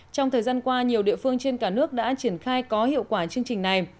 trong thời gian qua nhiều địa phương trên cả nước đã triển khai có hiệu quả chương trình này